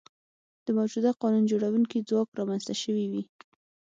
د موجوده قانون جوړوونکي ځواک رامنځته شوي وي.